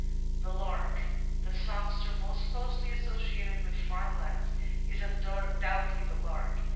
The Lark The songster most closely associated with the farmlands is undoubtedly the Lark.